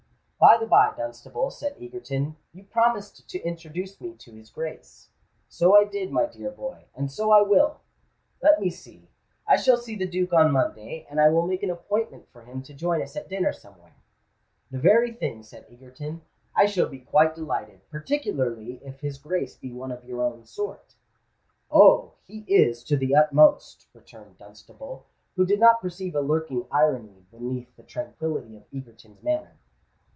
"By the by, Dunstable," said Egerton, "you promised to introduce me to his Grace." "So I did, my dear boy—and so I will. Let me see—I shall see the Duke on Monday, and I will make an appointment for him to join us at dinner somewhere." "The very thing," said Egerton: "I shall be quite delighted—particularly if his Grace be one of your own sort." "Oh! he is—to the utmost," returned Dunstable, who did not perceive a lurking irony beneath the tranquillity of Egerton's manner.